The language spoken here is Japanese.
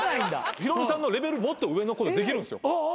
ヒロミさんのレベルもっと上のことできるんすよ。